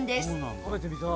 食べてみたい。